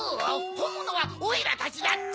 ほんものはオイラたちだっちゃ。